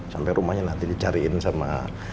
sampai rumahnya nanti dicariin sama